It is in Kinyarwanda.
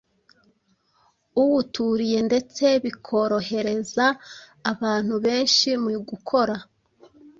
uwuturiye ndetse bikorohereza abantu benshi mu gukora